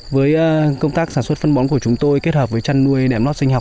với công tác sản xuất phân bón của chúng tôi kết hợp với chăn nuôi đẻm lót sinh học